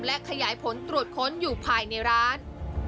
และขยายผลตรวจค้นอยู่ภายในร้าน